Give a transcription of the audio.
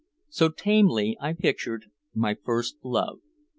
So tamely I pictured my first love.